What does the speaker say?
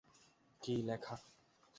কী লেখা?